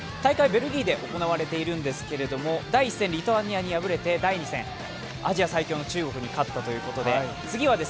ベルギーで行われているんですが第１戦でリトアニアに敗れて、第２戦アジア最強の中国に勝ったということです。